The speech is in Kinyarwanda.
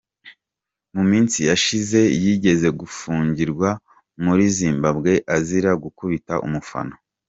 Mu minsi yashize yigeze gufungirwa muri Zimbabwe azira gukubita umufana.